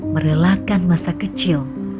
merelakan masa kecil